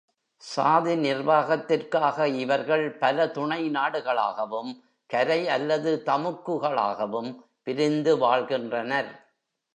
சாதி நிர்வாகத்திற்காக இவர்கள் பலதுணை நாடுகளாகவும் கரை அல்லது தமுக்குகளாகவும் பிரிந்து வாழ்கின்றனர்.